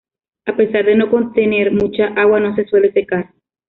A pesar de no contener mucha agua no se suele secar.